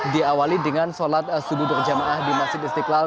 diawali dengan sholat subuh berjamaah di masjid istiqlal